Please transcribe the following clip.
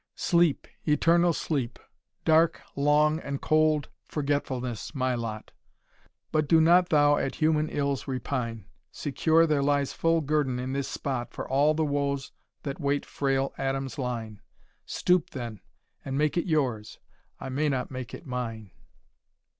Sleep, eternal sleep, Dark, long, and cold forgetfulness my lot! But do not thou at human ills repine, Secure there lies full guerdon in this spot For all the woes that wait frail Adam's line Stoop, then, and make it yours I may not make it mine!"